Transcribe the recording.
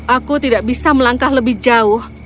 aku tidak bisa melangkah lebih jauh